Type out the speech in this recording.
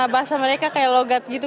bahasa mereka kayak logat gitu